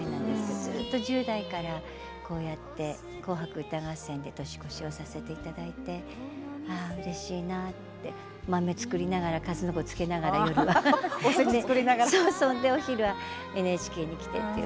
ずっと１０代から、こうやって「紅白歌合戦」で年越しをさせていただいてうれしいなって豆を作りながらかずのこを漬けながらそして、お昼はＮＨＫに来てという。